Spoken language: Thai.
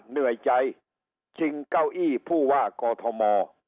เหนื่อยใจชิงเก้าอี้ผู้ว่ากอทม